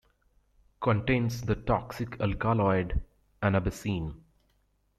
Contains the toxic alkaloid anabasine.